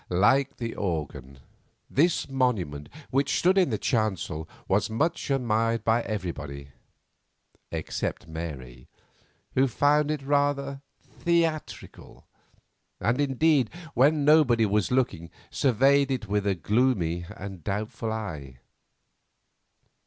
Like the organ, this monument, which stood in the chancel, was much admired by everybody, except Mary, who found it rather theatrical; and, indeed, when nobody was looking, surveyed it with a gloomy and a doubtful eye.